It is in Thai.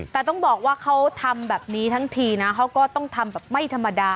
แต่ต้องบอกว่าเขาทำแบบนี้ทั้งทีนะเขาก็ต้องทำแบบไม่ธรรมดา